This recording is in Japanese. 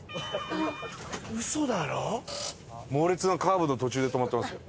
猛烈なカーブの途中で止まってますよ。